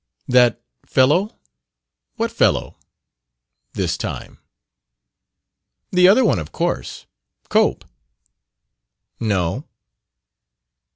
"'That fellow'? What fellow this time?" "The other one, of course. Cope." "No."